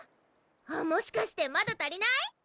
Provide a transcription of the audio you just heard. あっもしかしてまだ足りない？